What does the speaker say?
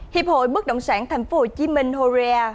hiệp hội bất đồng sản tp hcm horea